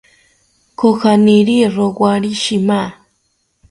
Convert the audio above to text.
Kojaniri rowari shima